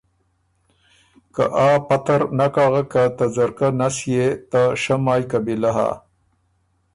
که آ پته ر نک اغک که ته ځرکۀ نس يې ته شۀ مای قبیلۀ هۀ